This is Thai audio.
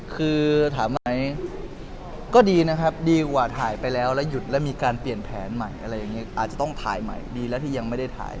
คือถามอะไรก็ดีนะครับดีกว่าถ่ายไปแล้วแล้วหยุดแล้วมีการเปลี่ยนแผนใหม่อะไรอย่างนี้